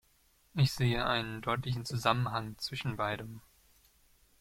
Ich sehe einen deutlichen Zusammenhang zwischen beidem.